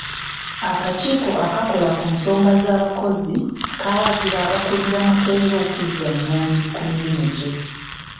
Akakiiko akakola ku nsonga z'abakozi kaalagira abakulira Makerere okuzza Nyanzi ku mirimu gye.